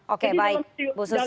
oke baik bu susi